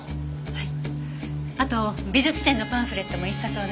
はい。